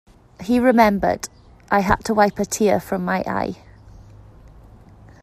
He remembered, I had to wipe a tear from my eye.